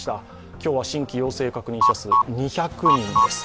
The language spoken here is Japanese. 今日は新規陽性確認者数２００人です。